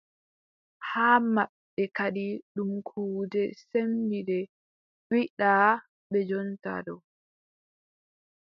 Haa maɓɓe kadi ɗum kuuje sembinnde wiʼɗaa ɓe jonta ɗo.